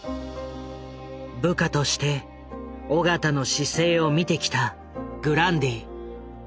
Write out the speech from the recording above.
部下として緒方の姿勢を見てきたグランディ。